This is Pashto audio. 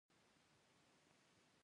د غنمو یوه دانه هم ارزښت لري.